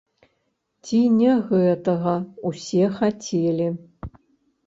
Ці не гэтага ўсе хацелі?